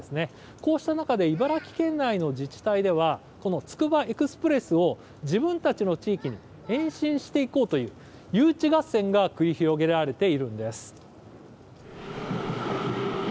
こうした中で茨城県内の自治体では、このつくばエクスプレスを自分たちの地域に延伸していこうという誘致合戦が繰り広げられているんです。